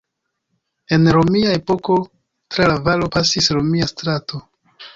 En romia epoko tra la valo pasis romia strato.